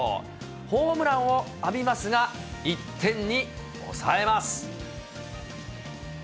ホームランを浴びますが、１点に抑えます。